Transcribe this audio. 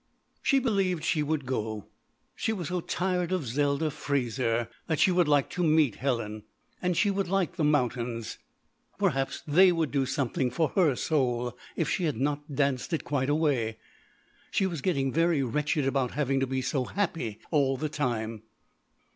She believed she would go. She was so tired of Zelda Fraser that she would like to meet Helen. And she would like the mountains. Perhaps they would do something for her soul if she had not danced it quite away. She was getting very wretched about having to be so happy all the time.